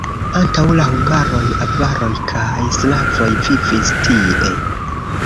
Antaŭ la hungaroj avaroj kaj slavoj vivis tie.